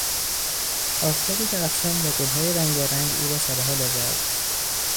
آفتاب درخشان و گلهای رنگارنگ او را سرحال آورد.